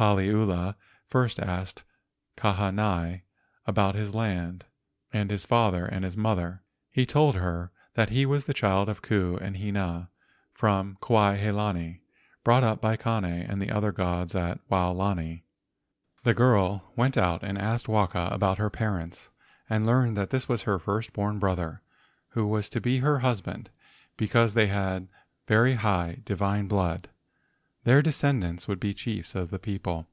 Paliula first asked Kahanai about his land and his father and mother. He told her that he was the child of Ku and Hina from Kuai he lani, brought up by Kane and the other gods at Waolani. The girl went out and asked Waka about her parents, and learned that this was her first born brother, who was to be her husband because THE MAID OF THE GOLDEN CLOUD 127 they had very high divine blood. Their descend¬ ants would be the chiefs of the people.